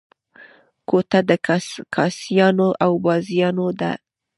کوټه د کاسيانو او بازیانو ده.